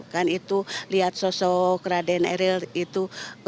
kan itu lihat sosok raden eril itu